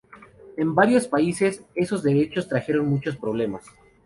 En varios países, esos derechos trajeron muchos problemas.